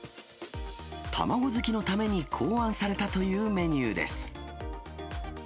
卵好きのために考案されたというメニューです。